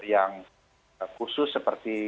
yang khusus seperti